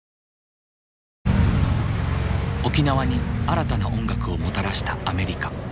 沖縄に新たな音楽をもたらしたアメリカ。